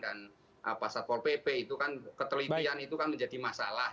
dan pasar pol pp itu kan ketelitian itu kan menjadi masalah